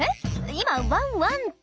今ワンワンって。